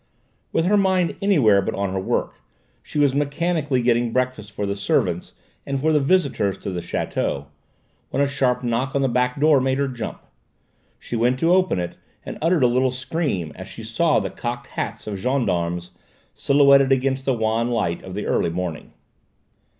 With her mind anywhere but on her work, she was mechanically getting breakfast for the servants and for the visitors to the château, when a sharp knock on the back door made her jump. She went to open it, and uttered a little scream as she saw the cocked hats of gendarmes silhouetted against the wan light of the early morning.